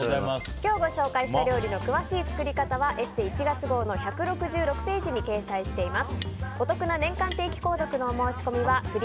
今日ご紹介した料理の詳しい作り方は「ＥＳＳＥ」１月号の１６６ページに掲載しています。